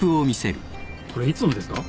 これいつのですか？